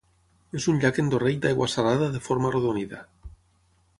És un llac endorreic d'aigua salada de forma arrodonida.